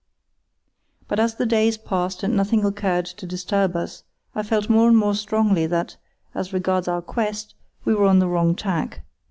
But as the days passed and nothing occurred to disturb us, I felt more and more strongly that, as regards our quest, we were on the wrong tack.